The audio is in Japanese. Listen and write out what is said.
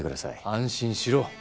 安心しろ。